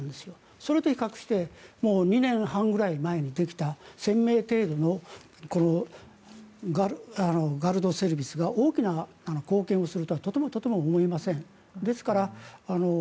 それと比較して２年半ぐらい前にできた１０００名程度のこのガルドセルビスが大きな貢献をするとはとても思えません。